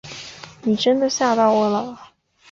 你真的吓到我了